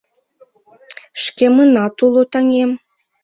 Шкемынат уло таҥем